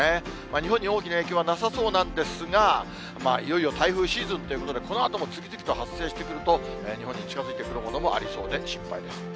日本に大きな影響はなさそうなんですが、いよいよ台風シーズンということで、このあとも次々と発生してくると、日本に近づいてくるものもありそうで心配です。